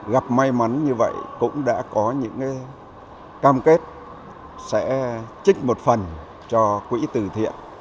cái mắn như vậy cũng đã có những cam kết sẽ trích một phần cho quỹ từ thiện